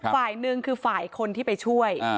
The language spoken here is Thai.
ฝ่ายหนึ่งคือฝ่ายคนที่ไปช่วย